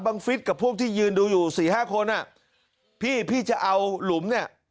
ฟิศกับพวกที่ยืนดูอยู่สี่ห้าคนอ่ะพี่พี่จะเอาหลุมเนี่ย